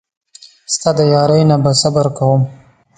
ستا د یارۍ نه به صبر کوم.